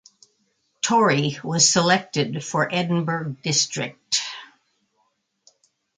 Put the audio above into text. Torrie was selected for Edinburgh District.